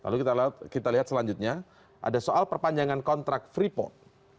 lalu kita lihat selanjutnya ada soal perpanjangan kontrak freeport